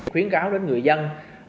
khuyến cáo đến người dân